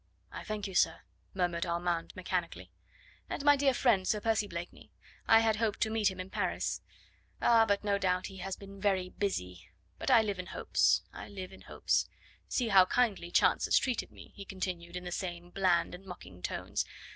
"I thank you, sir," murmured Armand mechanically. "And my dear friend, Sir Percy Blakeney? I had hoped to meet him in Paris. Ah! but no doubt he has been busy very busy; but I live in hopes I live in hopes. See how kindly Chance has treated me," he continued in the same bland and mocking tones.